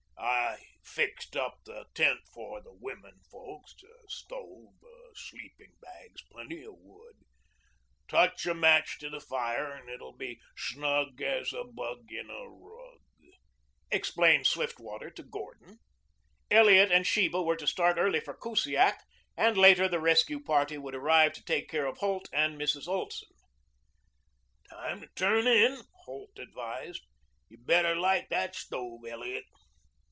"I fixed up the tent for the women folks stove, sleeping bags, plenty of wood. Touch a match to the fire and it'll be snug as a bug in a rug," explained Swiftwater to Gordon. Elliot and Sheba were to start early for Kusiak and later the rescue party would arrive to take care of Holt and Mrs. Olson. "Time to turn in," Holt advised. "You better light that stove, Elliot."